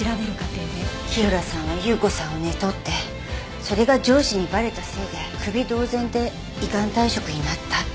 火浦さんは有雨子さんを寝取ってそれが上司にバレたせいでクビ同然で依願退職になったって。